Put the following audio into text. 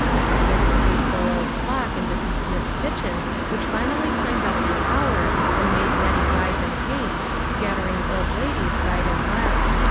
It was the faithful old clock in Mrs. Smith's kitchen which finally clanged out the hour and made Nettie rise in haste, scattering old ladies right and left.